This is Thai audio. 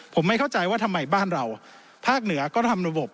ผมไม่เข้าใจว่าทำไมบ้านเราภาคเหนือก็ทำระบบ